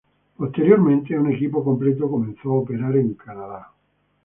Posteriormente, un equipo completo comenzó a operar en Canadá.